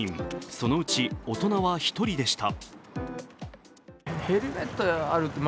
そのうち大人は１人でした。